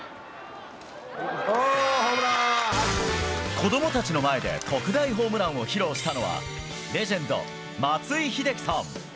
子どもたちの前で特大ホームランを披露したのは、レジェンド、松井秀喜さん。